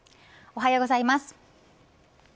おはようございます。